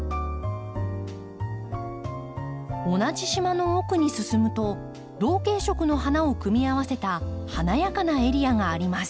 同じ島の奥に進むと同系色の花を組み合わせた華やかなエリアがあります。